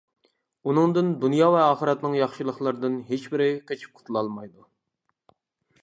ئۇنىڭدىن دۇنيا ۋە ئاخىرەتنىڭ ياخشىلىقلىرىدىن ھېچبىرى قېچىپ قۇتۇلالمايدۇ.